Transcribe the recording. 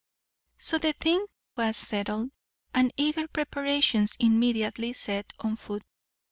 So the thing was settled, and eager preparations immediately set on foot.